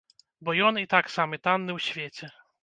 Бо ён і так самы танны ў свеце.